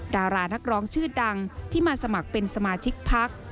ดารานักร้องชื่อดังที่มาสมัครเป็นสมาชิกพัก